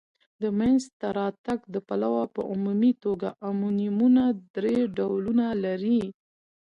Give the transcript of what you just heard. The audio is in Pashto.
د مینځ ته راتګ د پلوه په عمومي توګه امونیمونه درې ډولونه لري.